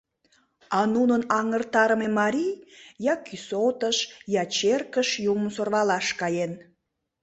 А нунын аҥыртарыме марий я кӱсотыш, я черкыш юмым сӧрвалаш каен.